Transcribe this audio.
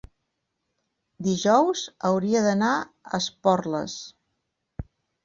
Dijous hauria d'anar a Esporles.